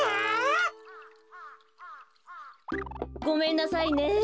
ごめんなさいね。